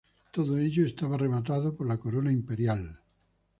Todo ello estaba rematado por la corona imperial.